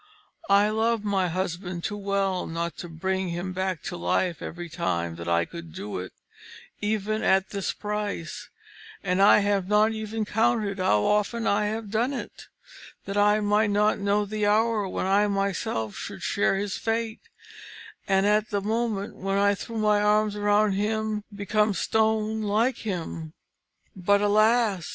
I loved my husband too well not to bring him back to life every time that I could do it, even at this price, and I have not even counted how often I have done it, that I might not know the hour when I myself should share his fate, and at the moment when I threw my arms around him become stone like him. But, alas!